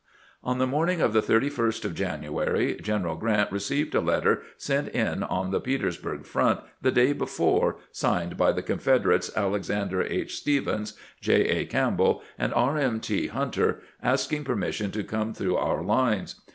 On the morning of the 31st of January General Grant received a letter sent in on the Petersburg front the day before, signed by the Confederates Alexander H. Stephens, J. A. Campbell, and R. M. T. Hunter, asking permission to come through our lines.